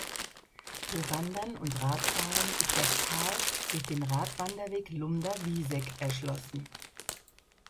Für Wandern und Radfahren ist das Tal durch den Radwanderweg Lumda-Wieseck erschlossen.